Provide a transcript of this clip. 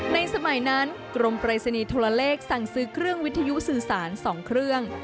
สมัยนั้นกรมปรายศนีย์โทรเลขสั่งซื้อเครื่องวิทยุสื่อสาร๒เครื่อง